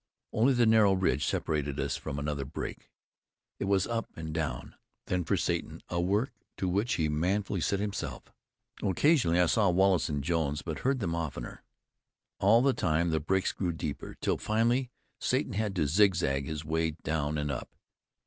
Only the narrow ridge separated us from another break. It was up and down then for Satan, a work to which he manfully set himself. Occasionally I saw Wallace and Jones, but heard them oftener. All the time the breaks grew deeper, till finally Satan had to zigzag his way down and up.